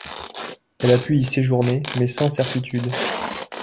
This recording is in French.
Elle a pu y séjourner, mais sans certitude.